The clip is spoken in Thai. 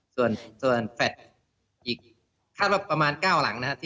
ส่วนแม่งประชาชนอีกค่าวหลังประมาณ๙